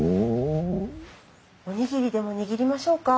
おにぎりでも握りましょうか？